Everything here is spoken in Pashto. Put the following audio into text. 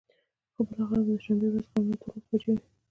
خو بلااخره چې د دوشنبې ورځ غرمه ،دولس بچې وې.